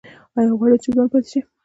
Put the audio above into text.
ایا غواړئ چې ځوان پاتې شئ؟